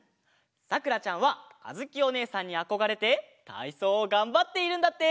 さくらちゃんはあづきおねえさんにあこがれてたいそうをがんばっているんだって。